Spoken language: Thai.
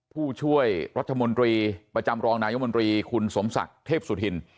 ผู้ช่วยรัฐมนตรีประจำรองนายมนตรีคุณสมศักดิ์เทพสุธิน